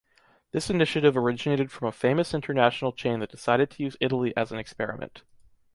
This initiative originated from a famous international chain that decided to use Italy as an experiment.